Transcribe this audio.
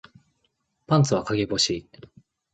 パンツは陰干し